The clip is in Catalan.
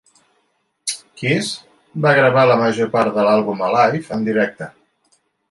Kiss va gravar la major part de l'àlbum "Alive!" en directe.